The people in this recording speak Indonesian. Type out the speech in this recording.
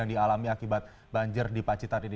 yang dialami akibat banjir di pacitan ini